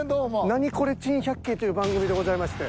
『ナニコレ珍百景』という番組でございまして。